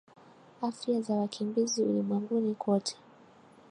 Afya za wakimbizi ulimwenguni kote